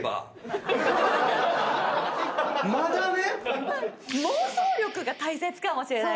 まだね！